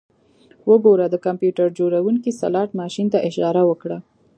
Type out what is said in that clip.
وګوره د کمپیوټر جوړونکي سلاټ ماشین ته اشاره وکړه